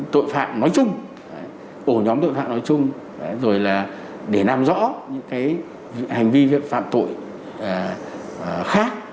tội phạm nói chung ổ nhóm tội phạm nói chung rồi là để làm rõ những hành vi phạm tội khác